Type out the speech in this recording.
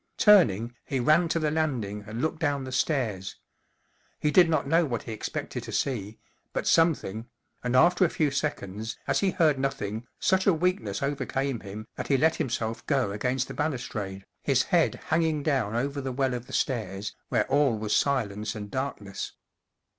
Turning, he ran to the landing and looked down the stairs. He did not know what he expected to see, but something, and after a few seconds, as he heard nothing, such a weakness overcame him that he let himself go against the balustrade. his head hanging down over the well of the stairs, where all was silence and darkness.